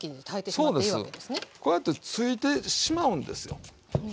こうやってついてしまうんですよね。